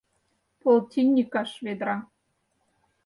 Полтиньыкаш ведра.